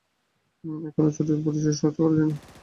এখনো চোরের পরিচয় শনাক্ত করা যায়নি।